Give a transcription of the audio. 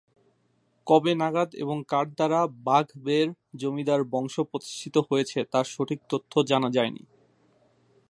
কবে নাগাদ এবং কার দ্বারা বাঘবেড় জমিদার বংশ প্রতিষ্ঠিত হয়েছে তার সঠিক তথ্য জানা যায়নি।